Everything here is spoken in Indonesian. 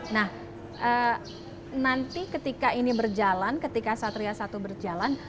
nah nanti ketika ini berjalan ketika satria satu berjalan